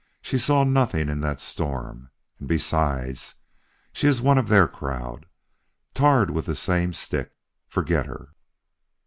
"She saw nothing in that storm. And, besides, she is one of their crowd tarred with the same stick. Forget her."